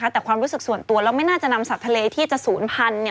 แต่ความรู้สึกส่วนตัวแล้วไม่น่าจะนำสัตว์ทะเลที่จะศูนย์พันธุ์